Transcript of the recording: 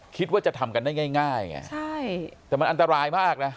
คิดว่าจะทำกันได้ง่ายไงใช่แต่มันอันตรายมากนะ